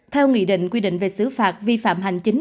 theo nghị định quy định về xử phạt vi phạm hành chính